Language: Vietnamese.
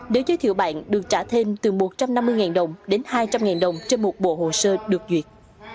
nếu giới thiệu bạn được trả thêm từ một trăm năm mươi đồng đến hai trăm linh đồng trên một bộ hồ sơ được duyệt